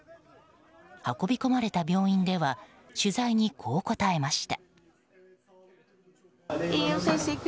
運び込まれた病院では取材にこう答えました。